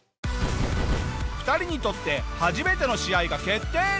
２人にとって初めての試合が決定。